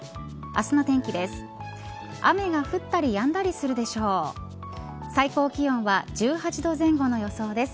明日の天気です。